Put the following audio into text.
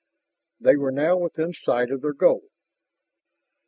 They were now within sight of their goal.